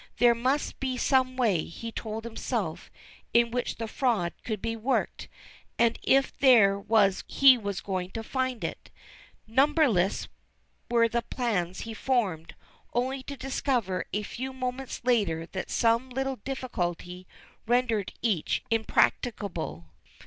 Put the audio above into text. There must be some way, he told himself, in which the fraud could be worked, and if there was he was going to find it. Numberless were the plans he formed, only to discover a few moments later that some little difficulty rendered each impracticable.